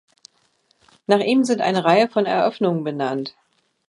Nach ihm sind eine Reihe von Eröffnungen benannt.